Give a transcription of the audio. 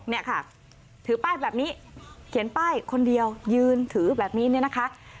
เนี่ยค่ะถือป้ายแบบนี้เขียนป้ายคนเดียวยืนถือแบบนี้เนี่ยนะคะ